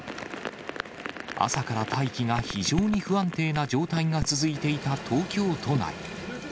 朝から大気が非常に不安定な状態が続いていた東京都内。